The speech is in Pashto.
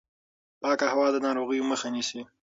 پاکه هوا د ناروغیو مخه نیسي.